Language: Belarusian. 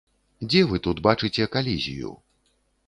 Дзе вы тут бачыце калізію?